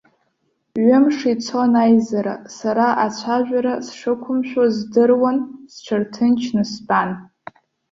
Ҩымш ицон аизара, сара ацәажәара шсықәымшәоз здыруан, сҽырҭынчны стәан.